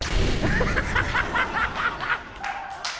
ハハハハ！